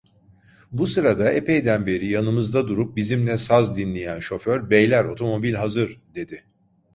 Bu sırada, epeyden beri yanımızda durup bizimle saz dinleyen şoför: "Beyler, otomobil hazır!" dedi.